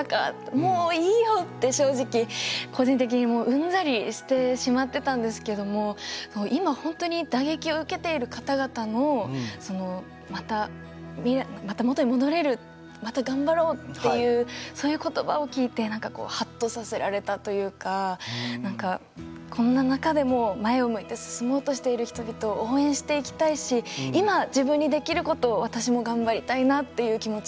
もういいよって正直個人的にもううんざりしてしまってたんですけども今本当に打撃を受けている方々のそのまた元に戻れるまた頑張ろうっていうそういう言葉を聞いて何かこうはっとさせられたというか何かこんな中でも前を向いて進もうとしている人々を応援していきたいし今自分にできることを私も頑張りたいなっていう気持ちになりましたね。